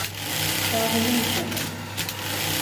Ja, det är din kväll.